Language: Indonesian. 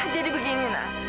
jadi begini na